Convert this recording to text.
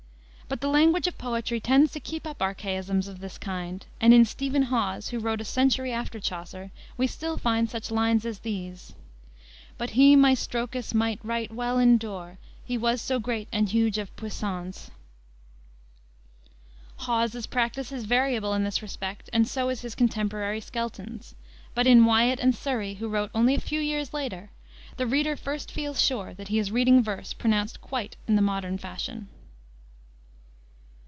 But the language of poetry tends to keep up archaisms of this kind, and in Stephen Hawes, who wrote a century after Chaucer, we still find such lines as these: "But he my strokës might right well endure, He was so great and huge of puissánce." Hawes's practice is variable in this respect, and so is his contemporary, Skelton's. But in Wiat and Surrey, who wrote only a few years later, the reader first feels sure that he is reading verse pronounced quite in the modern fashion.